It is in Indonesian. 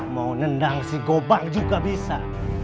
mau nendang si gobang juga bisa